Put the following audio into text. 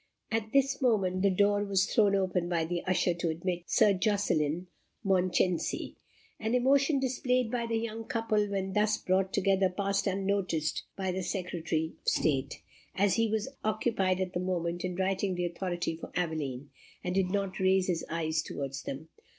At this moment the door was thrown open by the usher to admit Sir Jocelyn Mounchensey. The emotion displayed by the young couple when thus brought together passed unnoticed by the Secretary of State, as he was occupied at the moment in writing the authority for Aveline, and did not raise his eyes towards them.